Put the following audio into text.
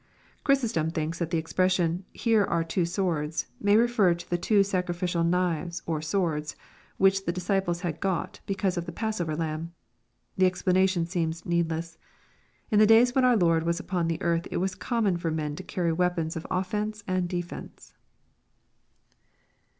Chrysostom thinks that the expression " here are two s words," fnay refer to the two sacrificial knives or swords which the disci* pies had got because of the passover Lamb. The explanation sieemtf needless. In the days when our Lord was upcx earth it was com* mon for men to carry weapons of offence and defence.